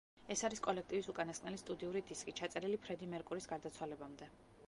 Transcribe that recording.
ეს არის კოლექტივის უკანასკნელი სტუდიური დისკი, ჩაწერილი ფრედი მერკურის გარდაცვალებამდე.